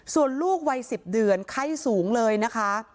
ส่วนลูกวัย๑๐เดือนไข้สูงเลยนะคะ